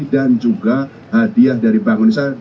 dan juga hadiah dari bangun indonesia